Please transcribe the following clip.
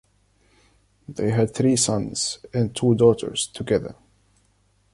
They had three sons and two daughters together.